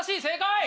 正解！